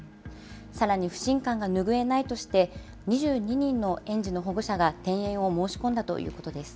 さらに不信感が拭えないとして、２２人の園児の保護者が転園を申し込んだということです。